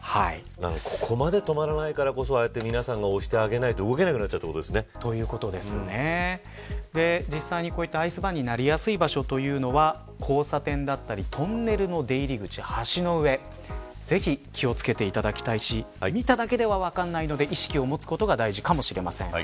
ここまで止まらないからこそ押してあげないと実際アイスバーンになりやすい場所というのは交差点だったりトンネルの出入り口、橋の上ぜひ気を付けていただきたいし見ただけでは分からないので意識を持つことが大事かもしれません。